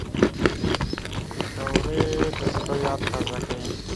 پکورې د زړه یاد تازه کوي